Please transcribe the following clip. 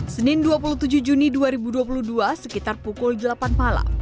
senin dua puluh tujuh juni dua ribu dua puluh dua sekitar pukul delapan malam